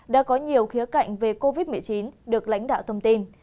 đã có nhiều khía cạnh về covid một mươi chín được lãnh đạo thông tin